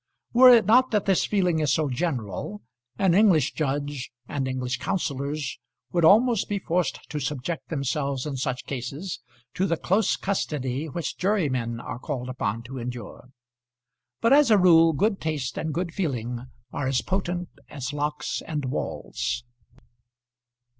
Were it not that this feeling is so general an English judge and English counsellors would almost be forced to subject themselves in such cases to the close custody which jurymen are called upon to endure. But, as a rule, good taste and good feeling are as potent as locks and walls.